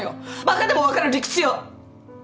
バカでも分かる理屈よ。